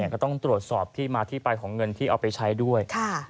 ก็ต้องตรวจสอบที่มาที่ไปของเงินที่เอาไปใช้ด้วย